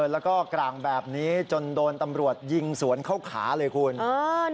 แล้วก็กลางแบบนี้จนโดนตำรวจยิงสวนเข้าขาเลยคุณ